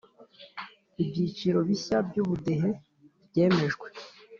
ibyiciro bishya by Ubudehe byemejwe